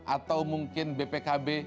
atau mungkin bpkb